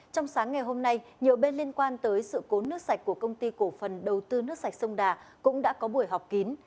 trong sáng ngày hôm nay nhiều bên liên quan tới sự cố nước sạch của công ty cổ phần đầu tư nước sạch sông đà cũng đã có buổi họp kín